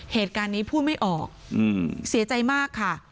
เหตุการณ์นี้พูดไม่ออกเสียใจมากค่ะ